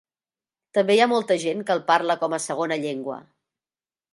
També hi ha molta gent que el parla com a segona llengua.